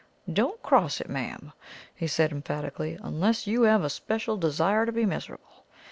"Don't cross it, ma'am," he said emphatically, "unless you have a special desire to be miserable.